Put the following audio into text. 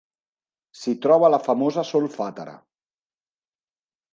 S'hi troba la famosa Solfatara.